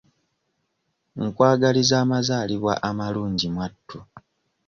Nkwagaliza amazaalibwa amalungi mwattu.